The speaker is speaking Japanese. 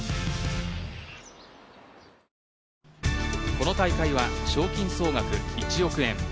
この大会は賞金総額１億円。